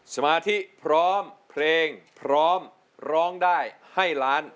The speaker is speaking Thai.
สมาธิพร้อมเพลงพร้อมร้องได้ให้ล้าน